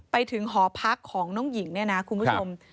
ไปถึงหอพักของน้องหญิงเนี่ยนะคุณผู้ชม